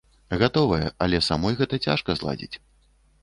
Гатовая, але самой гэта цяжка зладзіць.